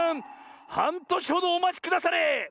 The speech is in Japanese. はんとしほどおまちくだされ！